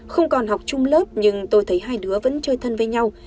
không còn học chung lớp nhưng tôi thấy hai đứa vẫn chơi thân với nhau